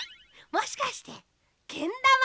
もしかしてけんだま？